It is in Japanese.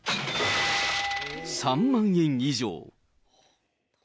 ３万円以上。